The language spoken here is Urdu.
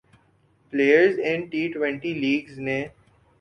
players in T twenty leagues نے